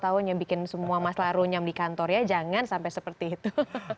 oh nyobikin semua masalah runyam di kantor ya jangan sampai seperti itu